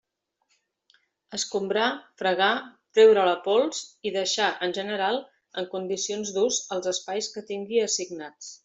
Escombrar, fregar, treure la pols i deixar, en general, en condicions d'ús els espais que tingui assignats.